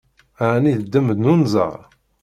Ɛni d ddenb n unẓar?